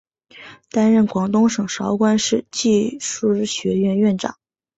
担任广东省韶关市技师学院院长。